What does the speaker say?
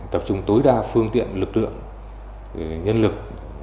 tập trung tối đa phương tiện lực lượng nhân lực